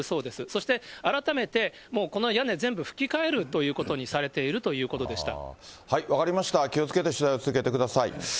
そして改めて、もうこの屋根全部ふきかえるということにされているということで分かりました、気をつけて取材を続けてください。